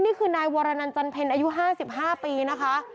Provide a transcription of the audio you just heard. นี่คือนายวรนันจันเพ็ญอายุ๕๕ปีนะคะ